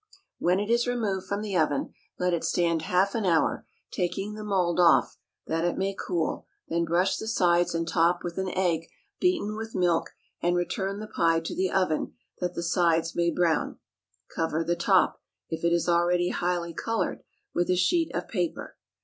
When it is removed from the oven, let it stand half an hour, taking the mould off, that it may cool; then brush the sides and top with an egg beaten with milk, and return the pie to the oven that the sides may brown; cover the top, if it is already highly colored, with a sheet of paper.